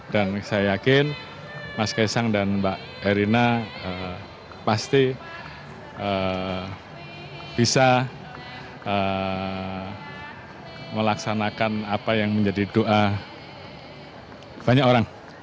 dan saya yakin mas kaisang dan mbak erina pasti bisa melaksanakan apa yang menjadi doa banyak orang